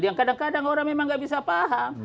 yang kadang kadang orang memang gak bisa paham